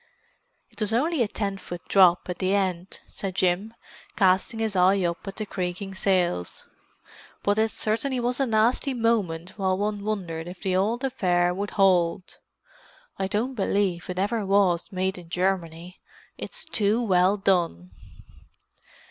"It was only a ten foot drop at the end," said Jim, casting his eye up at the creaking sails. "But it certainly was a nasty moment while one wondered if the old affair would hold. I don't believe it ever was made in Germany—it's too well done!"